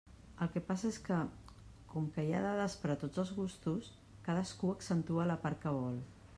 El que passa és que, com que hi ha dades per a tots els gustos, cadascú accentua la part que vol.